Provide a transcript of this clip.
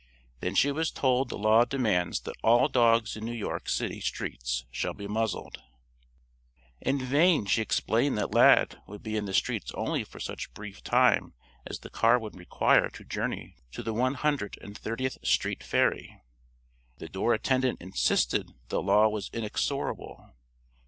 Then she was told the law demands that all dogs in New York City streets shall be muzzled. In vain she explained that Lad would be in the streets only for such brief time as the car would require to journey to the One Hundred and Thirtieth Street ferry. The door attendant insisted that the law was inexorable.